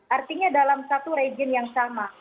artinya dalam satu rejim yang sama